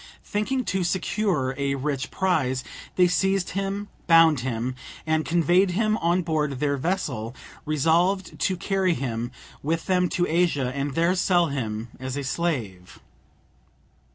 Thinking to secure a rich prize, they seized him, bound him, and conveyed him on board their vessel, resolved to carry him with them to Asia and there sell him as a slave.